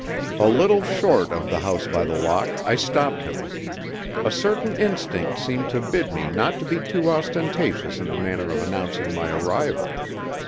A little short of the House by the Lock I stopped him. A certain instinct seemed to bid me not be too ostentatious in the manner of announcing my arrival.